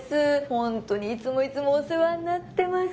本当にいつもいつもお世話になってます。